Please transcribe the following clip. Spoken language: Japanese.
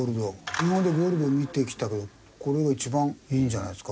今までゴールド見てきたけどこれが一番いいんじゃないですか？